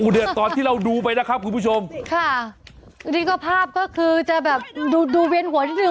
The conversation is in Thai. เนี่ยตอนที่เราดูไปนะครับคุณผู้ชมค่ะนี่ก็ภาพก็คือจะแบบดูดูเวียนหัวนิดนึ